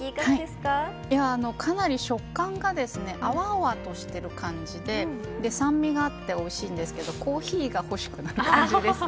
かなり食感があわあわとしている感じで酸味があっておいしいんですがコーヒーが欲しくなる感じですね。